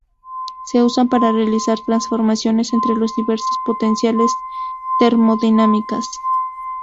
Se usan para realizar transformaciones entre los diversos potenciales termodinámicos.